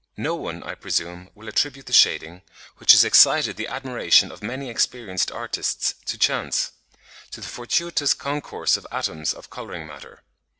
No one, I presume, will attribute the shading, which has excited the admiration of many experienced artists, to chance—to the fortuitous concourse of atoms of colouring matter.